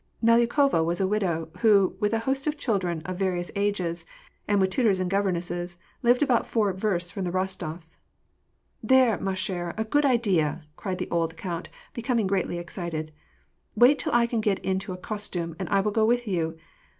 Melyukova was a widow, who, with a host of children of various ages, and with tutors and governesses, lived about four versts from the Rostofs. "There! ma chere, a good idea!" cried the old count, becom ing greatly excited. " Wait till I can get into a costume and I will go with you.